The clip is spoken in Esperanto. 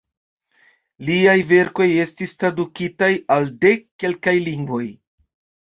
Liaj verkoj estis tradukitaj al dek kelkaj lingvoj.